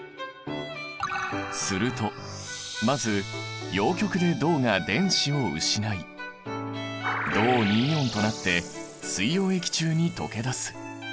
するとまず陽極で銅が電子を失い銅イオンとなって水溶液に溶け出す。